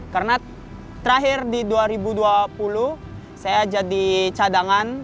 karena terakhir di dua ribu dua puluh saya jadi cadangan